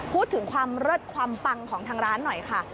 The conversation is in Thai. พูดถึงความเลิศความปังของทางร้านหน่อยค่ะ